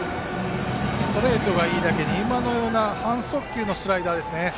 ストレートがいいだけに今のような半速球のスライダーですね。